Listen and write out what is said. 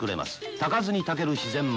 炊かずに炊ける自然米。